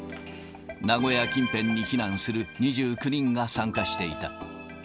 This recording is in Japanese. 名古屋近辺に避難する２９人が参加していた。